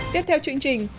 tiếp theo chương trình